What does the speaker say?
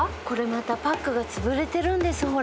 これまたパックがつぶれてるんです。